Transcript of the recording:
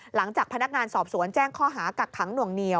หลังจากพนักงานสอบสวนแจ้งข้อหากักขังหน่วงเหนียว